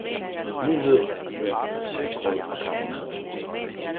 vi veed hvem der skal have Grød og Karbonade!